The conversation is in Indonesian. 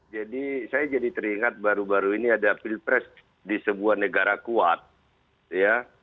jadi saya jadi teringat baru baru ini ada pilpres di sebuah negara kuat ya